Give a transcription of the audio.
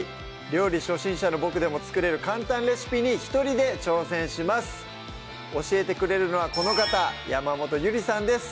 料理初心者のボクでも作れる簡単レシピに一人で挑戦します教えてくれるのはこの方山本ゆりさんです